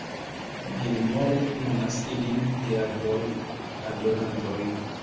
Gilmore nomas ilin "diabol-adorantoj.